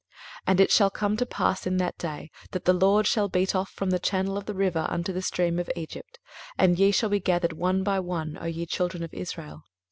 23:027:012 And it shall come to pass in that day, that the LORD shall beat off from the channel of the river unto the stream of Egypt, and ye shall be gathered one by one, O ye children of Israel.